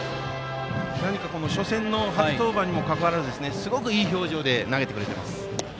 何か初戦の初登板にもかかわらずすごくいい表情で投げています。